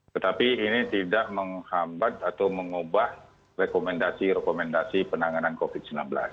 tetapi ini tidak menghambat atau mengubah rekomendasi rekomendasi penanganan covid sembilan belas